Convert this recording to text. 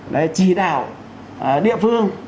để chỉ đạo địa phương